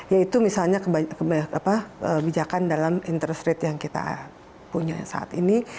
yaitu misalnya kebijakan dalam interest rate yang kita punya saat ini